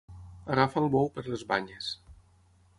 Agafar el bou per les banyes.